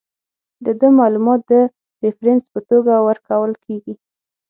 د ده معلومات د ریفرنس په توګه ورکول کیږي.